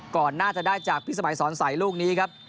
ก่อนน่าจะได้จากพี่สมัยสอนใสลูกนี้ครับ